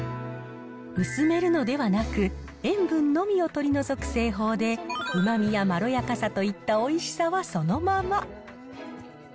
薄めるのではなく、塩分のみを取り除く製法で、うまみやまろやかさといったおいしさはそのまま。